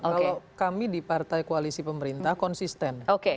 kalau kami di partai koalisi pemerintah konsisten